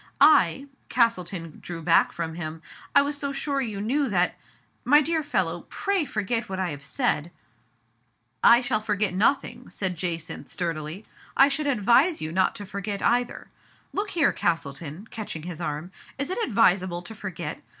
I "— Castle ton drew back from him —" I was so sure you knew Digitized by Google iSo THE FATE OP FMNELLA. that my dear fellow, pray forget what I have said." " I shall forget nothing," said Jacynth sturdily. " I should advise you not to forget either. Look here, Castleton," catching his arm, " is it advisa ble to forget